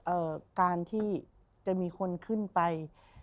การที่จะมีคนขึ้นไป